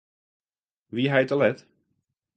Wie hy te let?